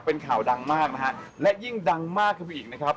เป็นข่าวดังมากนะฮะและยิ่งดังมากขึ้นไปอีกนะครับ